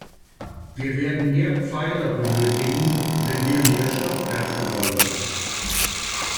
Wir werden mehr Pfeiler benötigen, wenn wir mehr Stockwerke wollen.